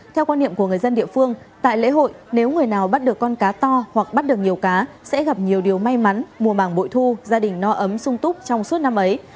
theo quan niệm của người dân địa phương tại lễ hội nếu người nào bắt được con cá to hoặc bắt được nhiều cá sẽ gặp nhiều điều may mắn mùa màng bội thu gia đình no ấm sung túc trong suốt năm ấy